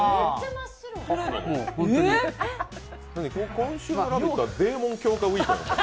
今週の「ラヴィット！」はデーモン閣下ウイークなんですか？